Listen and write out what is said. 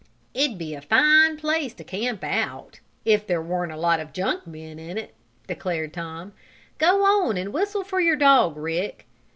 "It'd be a fine place to camp out if there weren't a lot of junk men in it," declared Tom. "Go on and whistle for your dog, Rick."